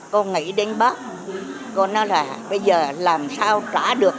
cô nghĩ đến bác cô nói là bây giờ làm sao trả được